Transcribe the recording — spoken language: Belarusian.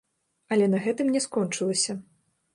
Але на гэтым не скончылася.